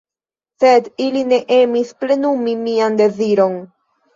Sed ili ne emis plenumi mian deziron.